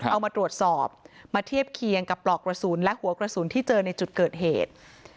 เอามาตรวจสอบมาเทียบเคียงกับปลอกกระสุนและหัวกระสุนที่เจอในจุดเกิดเหตุ